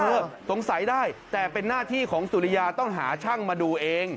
สงสัยได้แต่เป็นหน้าที่ของสุริยาต้องหาช่างมาดูเอง